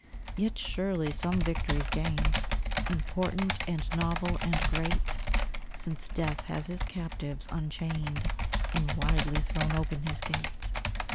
Yet surely some victory's gained, Important, and novel, and great, Since Death has his captives unchained, And widely thrown open his gate!